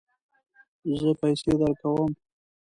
زه پیسې درکوم